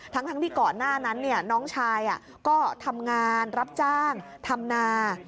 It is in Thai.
ทั้งที่ก่อนหน้านั้นน้องชายก็ทำงานรับจ้างทำนา